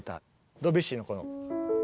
ドビュッシーのこの。